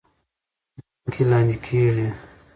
ځمکې لاندې کیږي.